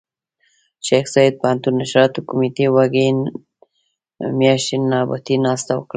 د شيخ زايد پوهنتون نشراتو کمېټې وږي مياشتې نوبتي ناسته وکړه.